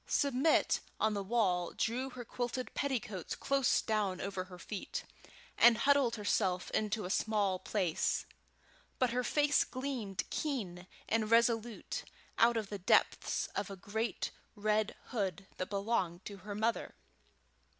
Submit on the wall drew her quilted petticoats close down over her feet, and huddled herself into a small space, but her face gleamed keen and resolute out of the depths of a great red hood that belonged to her mother.